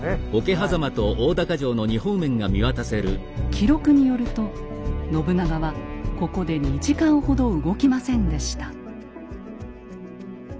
記録によると信長はここで２時間ほど動きませんでした。